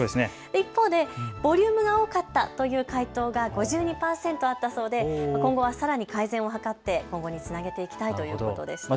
一方でボリュームが多かったという回答が５２％あったそうで今後はさらに改善を図って今後につなげていきたいということでした。